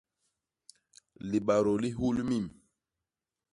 Libadô li hul mim.